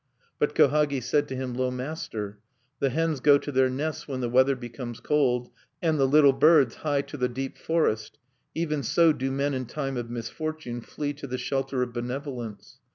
But Kohagi said to him: "Lo, master! the hens go to their nests when the weather becomes cold, and the little birds hie to the deep forest. Even so do men in time of misfortune flee to the shelter of benevolence.